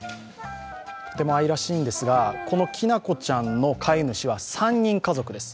とても愛らしいんですがこのきなこちゃんの飼い主は３人家族です。